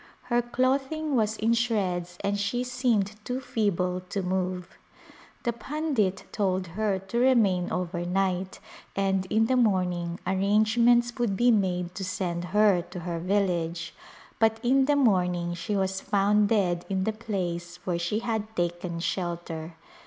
Her clothing was in shreds and she seemed too feeble to move. The pundit told her to remain over night and in the morn ino; arrangements would be made to send her to her village, but in the morning she was found dead in the place where she had taken shelter.